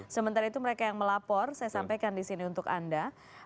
sementara itu mereka yang melapor saya sampaikan di sini untuk anda